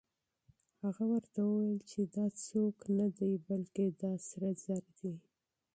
هغه ورته وویل چې دا څوک نه دی، بلکې دا سره زر دي.